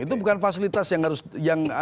itu bukan fasilitas yang harus yang